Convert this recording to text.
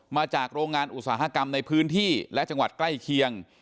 มาจากโรงงานอุตสาหกรรมในพื้นที่และจังหวัดใกล้เคียง